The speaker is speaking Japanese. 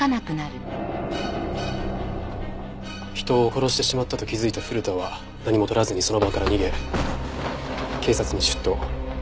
人を殺してしまったと気づいた古田は何も取らずにその場から逃げ警察に出頭。